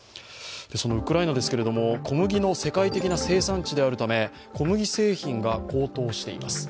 そのウクライナですが、小麦の世界的な生産地であるため小麦製品が高騰しています。